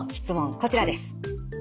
こちらです。